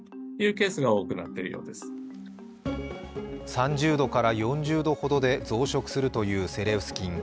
３０度から４０度ほどで増殖するというセレウス菌。